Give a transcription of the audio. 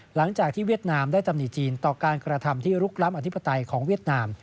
เวียดนามได้ตำหนิจีนต่อการกระทำที่ลุกล้ำอธิปไตยของเวียดนาม